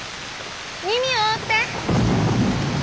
耳を覆って！